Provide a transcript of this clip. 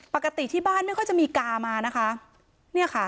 ปกติที่บ้านไม่ค่อยจะมีกามานะคะ